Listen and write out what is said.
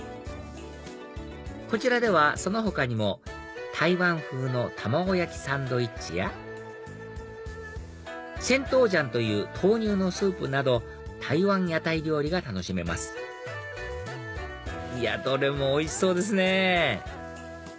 こちらではその他にも台湾風の卵焼きサンドイッチや鹹豆漿という豆乳のスープなど台湾屋台料理が楽しめますいやどれもおいしそうですね！